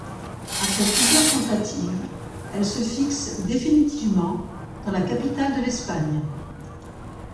Après plusieurs tentatives, elle se fixe définitivement dans la capitale de l'Espagne.